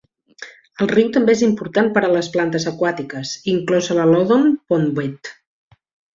El riu també és important per a les plantes aquàtiques, inclosa la Loddon Pondweed.